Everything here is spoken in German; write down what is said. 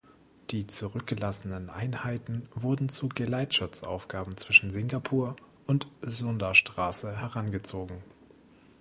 Die zurückgelassenen Einheiten wurden zu Geleitschutzaufgaben zwischen Singapur und Sunda-Straße herangezogen.